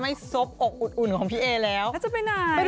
อีกแล้วเหรอ